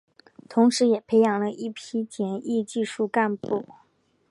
同时也培养了一批检疫技术干部。